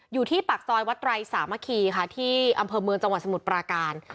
อยู่ที่ปากซอยวัดไตรสามัคคีค่ะที่อำเภอเมืองจังหวัดสมุทรปราการ